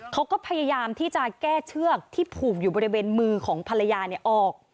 เขาก็พยายามที่จะแก้เชือกที่ผูกอยู่บริเวณมือของภรรยาออก